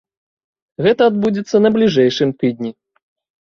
Гэта адбудзецца на бліжэйшым тыдні.